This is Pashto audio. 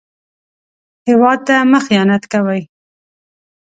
هېواد ته مه خيانت کوئ